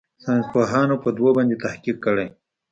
ساينسپوهانو په دو باندې تحقيق کړى.